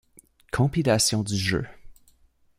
Compilation du jeu.